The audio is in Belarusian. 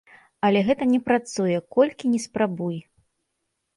Але гэта не працуе, колькі ні спрабуй!